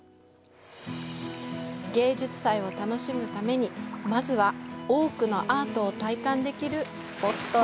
芸術祭を楽しむために、まずは多くのアートを体感できるスポットへ。